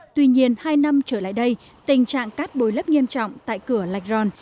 tuy nhiên hai năm trở lại đây tình trạng cát bồi lấp nghiêm trọng tại cửa lạch ròn